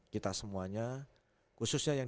kita semuanya khususnya yang